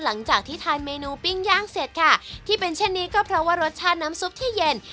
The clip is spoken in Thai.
หลังจากที่ทานเมนูปิ้งย่างเสร็จค่ะที่เป็นเช่นนี้ก็เพราะว่ารสชาติน้ำซุปที่เย็น